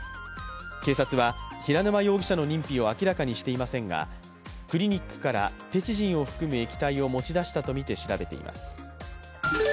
警察は平沼容疑者の認否を明らかにしていませんがクリニックからペチジンを含む液体を持ち出したとみて調べています。